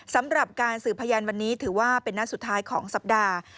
สำหรับการสืบพยานวันนี้ถือว่าเป็นนัดสุดท้ายของสัปดาห์